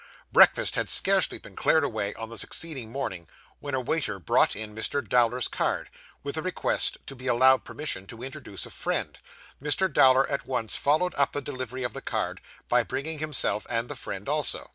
Breakfast had scarcely been cleared away on the succeeding morning, when a waiter brought in Mr. Dowler's card, with a request to be allowed permission to introduce a friend. Mr. Dowler at once followed up the delivery of the card, by bringing himself and the friend also.